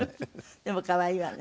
でも可愛いわね。